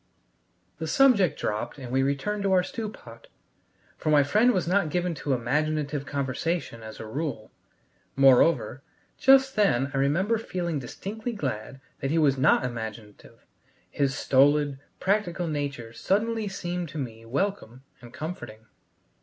The subject dropped and we returned to our stew pot, for my friend was not given to imaginative conversation as a rule. Moreover, just then I remember feeling distinctly glad that he was not imaginative; his stolid, practical nature suddenly seemed to me welcome and comforting.